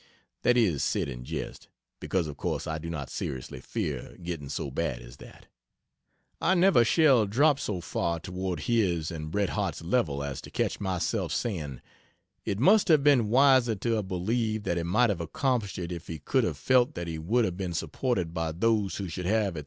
(That is said in jest; because of course I do not seriously fear getting so bad as that. I never shall drop so far toward his and Bret Harte's level as to catch myself saying "It must have been wiser to have believed that he might have accomplished it if he could have felt that he would have been supported by those who should have &c.